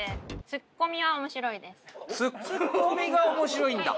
ツッコミが面白いんだ。